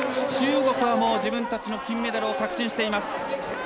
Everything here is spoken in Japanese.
中国は、もう自分たちの金メダルを確信しています。